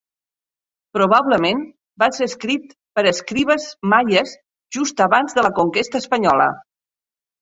Probablement va ser escrit per escribes maies just abans de la conquesta espanyola.